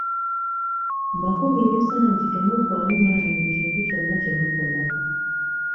Mbakubiriza nti temuggwamu maanyi mu kintu kyonna kye mukola.